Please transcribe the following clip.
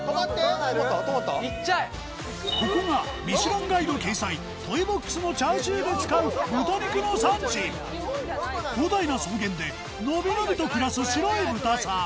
ここがミシュランガイド掲載トイ・ボックスのチャーシューで使う豚肉の産地広大な草原でのびのびと暮らす白い豚さん。